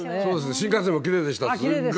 新幹線もきれいでした。